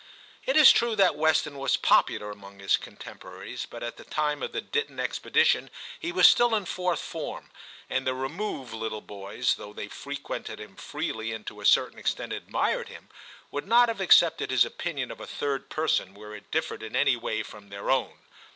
It is true that Weston was popular among his contemporaries, but at the time of the Ditton expedition he was still in Fourth Form, and the Remove little boys, though they frequented him freely and to a certain extent admired him, would not have ac cepted his opinion of a third person where it differed in any way from their own.